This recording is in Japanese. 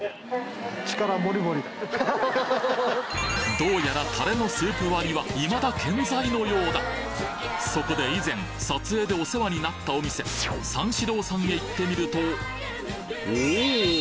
どうやらタレのスープ割りはいまだ健在のようだそこで以前撮影でお世話になったお店三四郎さんへ行ってみるとおお！